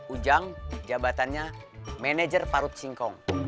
ujang jabatannya manajer parut singkong